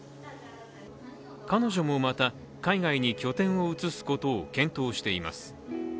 彼女もまた、海外に拠点を移すことを検討しています。